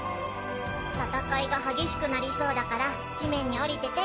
戦いが激しくなりそうだから地面に降りてて。